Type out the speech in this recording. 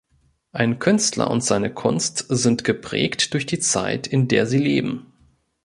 Ein Künstler und seine Kunst sind geprägt durch die Zeit, in der sie leben.